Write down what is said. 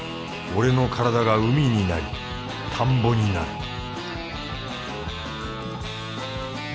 俺の体が海になり田んぼになる